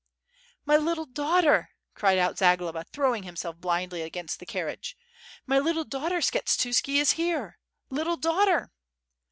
"My little daughter," cried out Zagloba, throwing himself blindly against the carriage, "my little daughter, Skshetuski is here! ... Little daughter!"